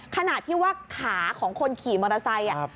ขนาดที่ว่าขาของคนขี่มอเตอร์ไซค์